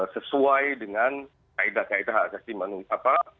sesuai dengan kaedah kaedah hak asasi manusia